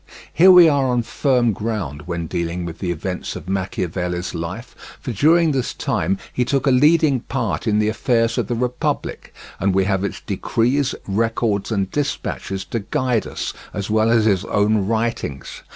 Here we are on firm ground when dealing with the events of Machiavelli's life, for during this time he took a leading part in the affairs of the Republic, and we have its decrees, records, and dispatches to guide us, as well as his own writings.